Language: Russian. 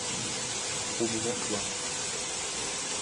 У меня к Вам.